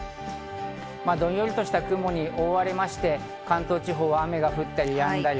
どんよりとした雲に覆われまして関東地方は雨が降ったりやんだり。